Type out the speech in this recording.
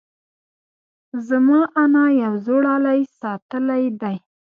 زما انا یو زوړ غالۍ ساتلی دی.